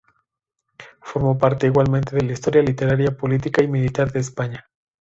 Formó parte igualmente de la historia literaria, política y militar de España.